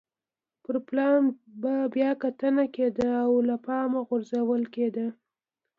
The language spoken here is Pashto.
پر پلان به بیا کتنه کېده او له پامه غورځول کېده.